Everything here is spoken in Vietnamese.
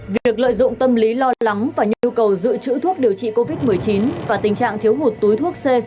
việc lợi dụng tâm lý lo lắng và nhu cầu dự trữ thuốc điều trị covid một mươi chín và tình trạng thiếu hụt túi thuốc c